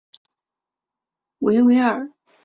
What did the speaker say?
维维尔。